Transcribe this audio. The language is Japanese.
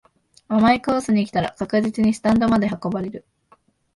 甘いコースに来たら確実にスタンドまで運ばれる